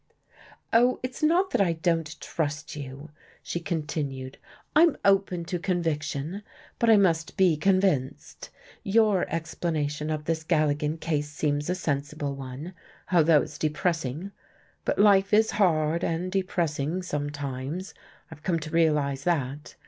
"Oh, it's not that I don't trust you," she continued, "I'm open to conviction, but I must be convinced. Your explanation of this Galligan case seems a sensible one, although it's depressing. But life is hard and depressing sometimes I've come to realize that.